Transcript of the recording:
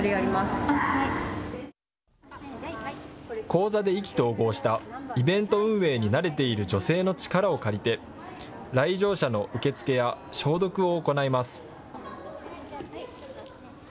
講座で意気投合したイベント運営に慣れている女性の力を借りて来場者の受け付けや消毒を行います。